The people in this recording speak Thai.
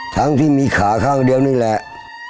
ทั้งที่มีขาข้างเดียวนี่แหละ